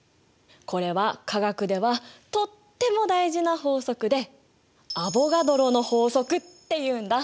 これは化学ではとっても大事な法則でアボガドロの法則っていうんだ。